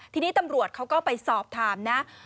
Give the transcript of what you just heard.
ทีนี้ตำรวจเขาก็ไปสอบถามนะ